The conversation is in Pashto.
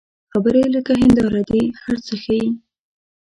خبرې لکه هنداره دي، هر څه ښيي